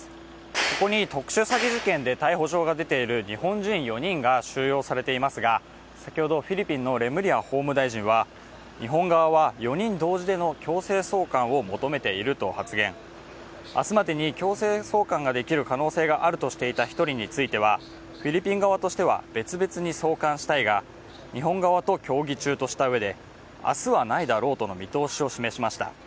ここに特殊詐欺事件で逮捕状が出ている日本人４人が収容されていますが、先ほどフィリピンのレムリヤ法務大臣は日本側は４人同時の強制送還を求めていると発言、明日までに強制送還ができる可能性があるとしていた１人についてはフィリピン側としては別々に送還したいが日本側と協議中としたうえで明日はないだろうとの見通しを示しました。